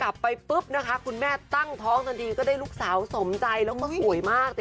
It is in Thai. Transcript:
แล้วเชื่อกับกลับไปปุ๊บคุณแม่ตั้งท้องซังดีก็ได้ลูกสาวสมใจแล้วมาหุ่ยมาก